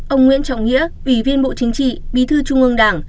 ông nguyễn trọng nghĩa ủy viên bộ chính trị bí thư trung ương đảng